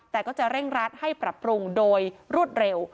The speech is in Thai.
แต่ก็จะเร่งรัดให้ปรับปรุงโดยรวดเร็ว